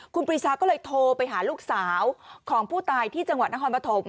คุณปรีชาก็เลยโทรไปหาลูกสาวของผู้ตายที่จังหวัดนครปฐม